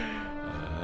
ああ？